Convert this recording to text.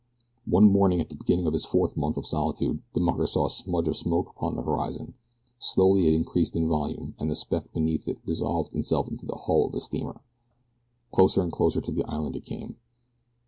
One morning, at the beginning of his fourth month of solitude, the mucker saw a smudge of smoke upon the horizon. Slowly it increased in volume and the speck beneath it resolved itself into the hull of a steamer. Closer and closer to the island it came.